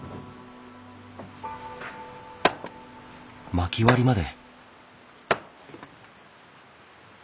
まき割りまで。